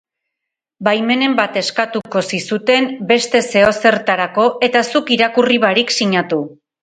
Baimenen bat eskatuko zizuten beste zeozertarako eta zuk irakurri barik sinatu.